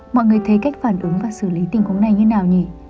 mọi người thấy cách phản ứng và xử lý tình huống này như nào nhỉ